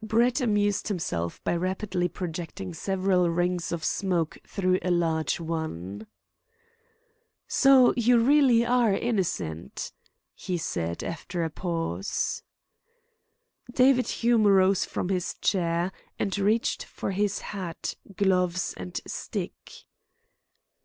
Brett amused himself by rapidly projecting several rings of smoke through a large one. "So you really are innocent?" he said, after a pause. David Hume rose from his chair, and reached for his hat, gloves, and stick.